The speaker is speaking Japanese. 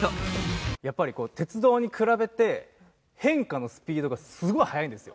やっぱりこう鉄道に比べて変化のスピードがすごい速いんですよ。